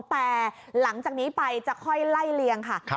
แต่หลังจากนี้ไปจะค่อยไล่เลียงค่ะ